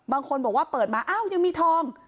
บางคนบอกว่าเปิดมาอ้าวยังมีทอง